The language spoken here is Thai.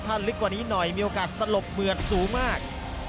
ถ้าลึกกว่านี้หน่อยมีโอกาสสลบเหมือดสูงมาก